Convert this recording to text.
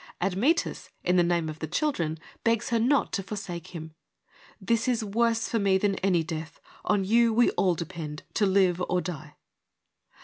Admetus in the name of the children { begs her not to forsake him ' this is worse for m: than any death : on you we all depend — to live or die.'